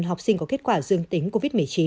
một học sinh có kết quả dương tính covid một mươi chín